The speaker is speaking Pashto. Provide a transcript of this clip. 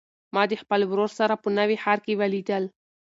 ما د خپل ورور سره په نوي ښار کې ولیدل.